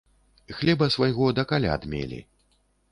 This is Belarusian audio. Хлеба свайго да каляд мелі.